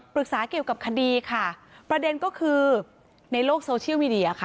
เกี่ยวกับคดีค่ะประเด็นก็คือในโลกโซเชียลมีเดียค่ะ